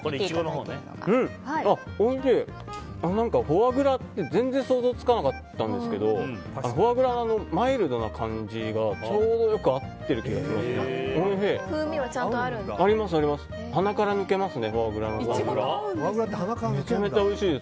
フォアグラって全然想像つかなかったんですけどフォアグラ、マイルドな感じがちょうどよく合っていておいしい。